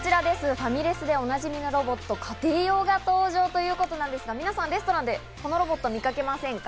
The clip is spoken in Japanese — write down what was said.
ファミレスでおなじみのロボット、家庭用が登場ということなんですが、皆さん、レストランでこのロボット見かけませんか？